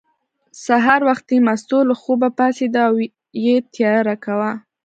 سهار وختي مستو له خوبه پاڅېده او یې تیاری کاوه.